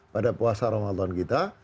pada puasa ramadhan kita